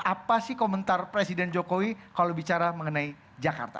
apa sih komentar presiden jokowi kalau bicara mengenai jakarta